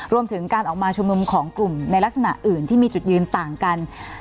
รวมถึงการออกมาชุมนุมของกลุ่มในลักษณะอื่นที่มีจุดยืนต่างกัน